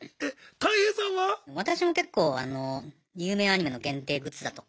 私も結構有名アニメの限定グッズだとか